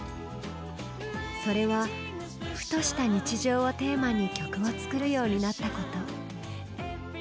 それはふとした日常をテーマに曲を作るようになったこと。